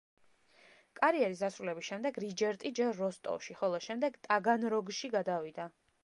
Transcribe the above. კარიერის დასრულების შემდეგ, რიჯერტი ჯერ როსტოვში, ხოლო შემდეგ ტაგანროგში გადავიდა.